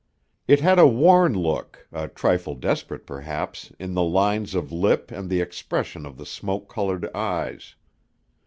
It had a worn look, a trifle desperate, perhaps, in the lines of lip and the expression of the smoke colored eyes.